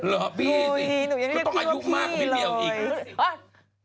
เหรอพี่สิต้องอายุมากกว่าพี่เหลียวเอง